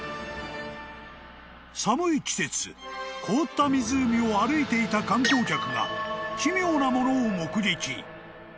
［寒い季節凍った湖を歩いていた観光客が奇妙なものを目撃］